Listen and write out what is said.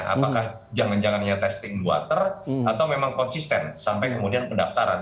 apakah jangan jangan hanya testing water atau memang konsisten sampai kemudian pendaftaran